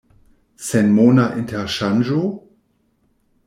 Senmona interŝanĝo?